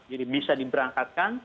jadi bisa diberangkatkan